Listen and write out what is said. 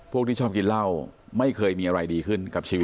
ที่ชอบกินเหล้าไม่เคยมีอะไรดีขึ้นกับชีวิต